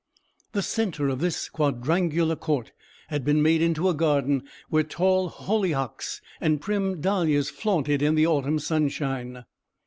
The centre of this quadrangular court had been made into a garden, where tall hollyhocks and prim dahlias flaunted in the autumn sunshine.